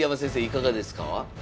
いかがですか？